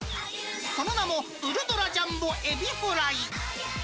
その名もウルトラジャンボえびフライ。